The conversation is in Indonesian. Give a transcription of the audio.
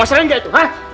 mau serahin gak itu